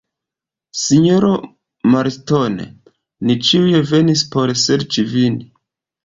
Sinjoro Marston, ni ĉiuj venis por serĉi vin.